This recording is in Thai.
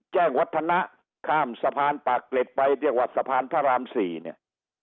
แจ้งวัฒนะข้ามสะพานปากเกร็ดไปเรียกว่าสะพานพระราม๔เนี่ย